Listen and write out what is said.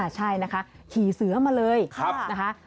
ใช่นะคะขี่เสือมาเลยนะคะ